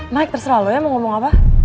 maik terserah lo ya mau ngomong apa